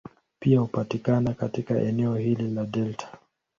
Pia hupatikana katika eneo hili la delta.